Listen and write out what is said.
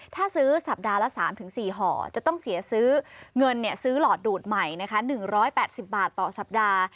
ถ้าซื้อสัปดาห์ละ๓๔ห่อจะต้องเสียซื้อเงินซื้อหลอดดูดใหม่นะคะ๑๘๐บาทต่อสัปดาห์